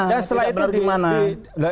tidak ada bagaimana